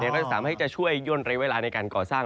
ก็จะสามารถช่วยยนต์เร็วเวลาในการก่อสร้าง